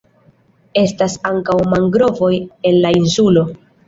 Estas ankaŭ mangrovoj en la insulo.